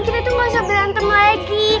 kita tuh gausah berantem lagi